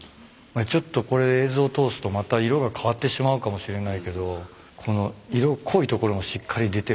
ちょっとこれ映像通すとまた色が変わってしまうかもしれないけどこの色濃い所もしっかり出てるしさ。